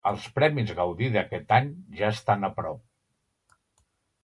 Els Premis Gaudí d'aquest any ja estan a prop.